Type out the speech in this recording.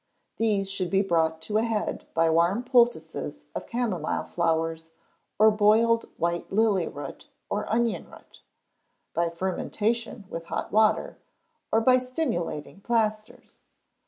These should be brought to a head by warm poultices of camomile flowers, or boiled white lily root, or onion root; by fermentation with hot water, or by stimulating plasters.